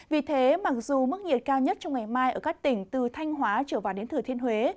vì thế mặc dù mức nhiệt cao nhất trong ngày mai ở các tỉnh từ thanh hóa trở vào đến thừa thiên huế